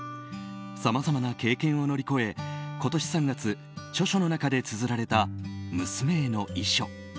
さまざまな経験を乗り越え今年３月著書の中でつづられた娘への遺書。